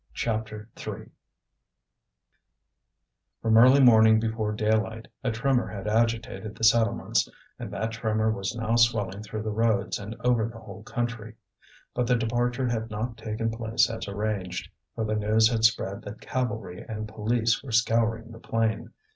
CHAPTER III From early morning, before daylight, a tremor had agitated the settlements, and that tremor was now swelling through the roads and over the whole country. But the departure had not taken place as arranged, for the news had spread that cavalry and police were scouring the plain.